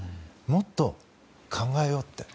もっと考えようって。